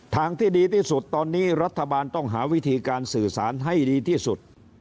ทางที่ดีที่สุดตอนนี้รัฐบาลต้องหาวิธีการสื่อสารให้ดีที่สุด